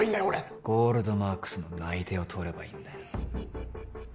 俺ゴールドマークスの内定を取ればいいんだよ